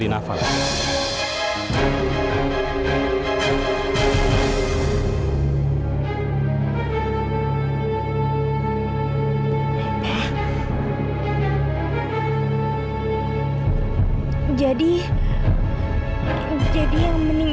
bagaimana riza berpikir ini